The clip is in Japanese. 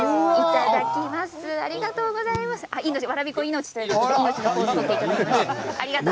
わらび粉命ということでやっていただきました。